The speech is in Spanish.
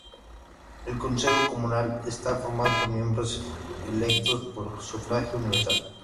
El consejo comunal está formado por miembros electos por sufragio universal.